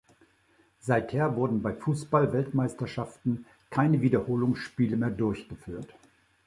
Seither wurden bei Fußball-Weltmeisterschaften keine Wiederholungsspiele mehr durchgeführt.